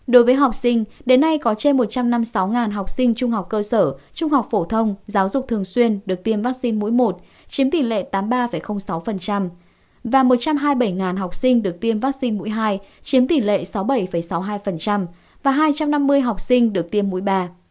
đối với học sinh đến nay có trên một trăm năm mươi sáu học sinh trung học cơ sở trung học phổ thông giáo dục thường xuyên được tiêm vaccine mũi một chiếm tỷ lệ tám mươi ba sáu và một trăm hai mươi bảy học sinh được tiêm vaccine mũi hai chiếm tỷ lệ sáu mươi bảy sáu mươi hai và hai trăm năm mươi học sinh được tiêm mũi ba